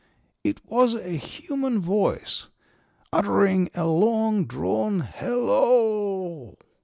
It was a human voice uttering a long drawn 'Hello o o!'